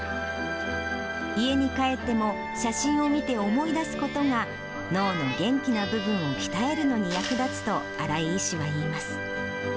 家に帰っても、写真を見て思い出すことが、脳の元気な部分を鍛えるのに役立つと、新井医師はいいます。